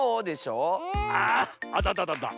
あっあたたたた。